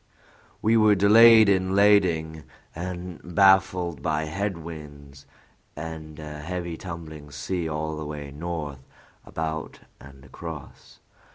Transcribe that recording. "We were delayed in lading, and baffled by head winds and a heavy tumbling sea all the way north about and across.